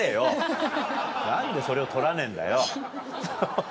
何でそれを撮らねえんだよハハハハ。